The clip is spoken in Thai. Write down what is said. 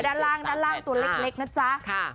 ด้านล่างตัวเล็กนะจ๊ะ